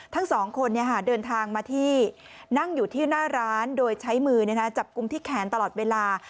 ทั้งสองคนเดินทางมาที่นั่งอยู่ที่หน้าร้านโดยใช้มือจับกลุ่มที่แขนตลอดเวลา